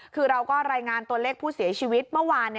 คือเราก็รายงานตัวเลขผู้เสียชีวิตเมื่อวาน